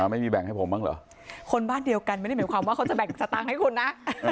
ไม่มีแบ่งให้ผมบ้างเหรอคนบ้านเดียวกันไม่ได้หมายความว่าเขาจะแบ่งสตางค์ให้คุณนะ